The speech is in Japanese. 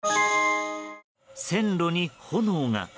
線路に炎が。